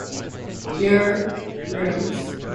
Your rooms.